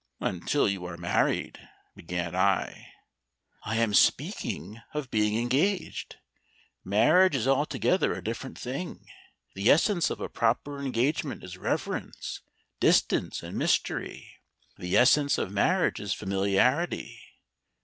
"Until you are married," began I. "I am speaking of being engaged. Marriage is altogether a different thing. The essence of a proper engagement is reverence, distance, and mystery; the essence of marriage is familiarity.